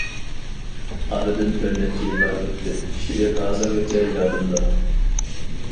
ئارىدىن بىر نەچچە يىللار ئۆتتى، شېئىر ھازىرغىچە يادىمدا.